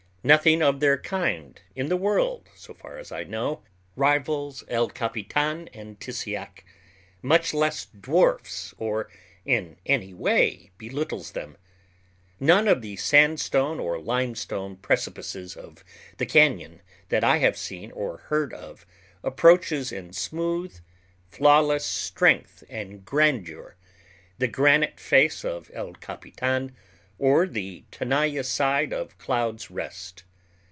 Nothing of their kind in the world, so far as I know, rivals El Capitan and Tissiack, much less dwarfs or in any way belittles them. None of the sandstone or limestone precipices of the cañon that I have seen or heard of approaches in smooth, flawless strength and grandeur the granite face of El Capitan or the Tenaya side of Cloud's Rest.